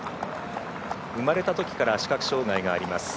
生まれたときから視覚障がいがあります。